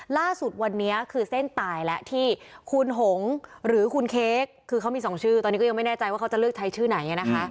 ล่าสุดวันนี้คือเส้นตายแล้วที่คุณหงหรือคุณเค้กคือเขามีสองชื่อตอนนี้ก็ยังไม่แน่ใจว่าเขาจะเลือกใช้ชื่อไหนนะคะ